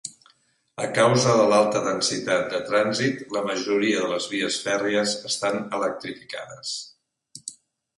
A causa de l'alta densitat de trànsit, la majoria de les vies fèrries estan electrificades.